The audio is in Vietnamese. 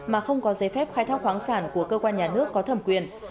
mà không có giấy phép khai thác khoáng sản của cơ quan nhà nước có thẩm quyền